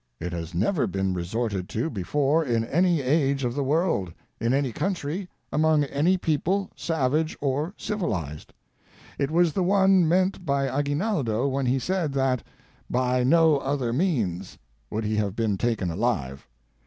It has never been resorted to before in any age of the world, in any country, among any people, savage or civilized. It was the one meant by Aguinaldo when he said that " by no other means" would he have been taken alive.